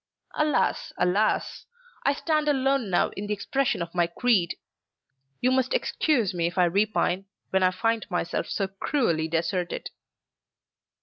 Alas, alas! I stand alone now in the expression of my creed. You must excuse me if I repine, when I find myself so cruelly deserted."